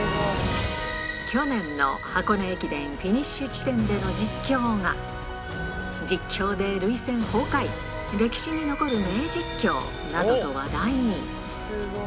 去年の箱根駅伝フィニッシュ地点での実況が、実況で涙腺崩壊、歴史に残る名実況などと話題に。